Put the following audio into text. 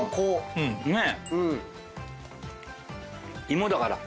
芋だから。